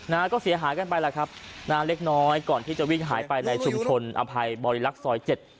นะฮะก็เสียหายกันไปแหละครับนะฮะเล็กน้อยก่อนที่จะวิ่งหายไปในชุมชนอภัยบริรักษ์ซอยเจ็ด